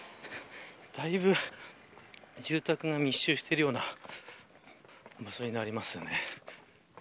だいぶ住宅が密集しているような場所になりますよね。